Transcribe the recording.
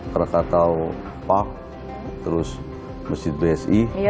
krakatau park terus masjid bsi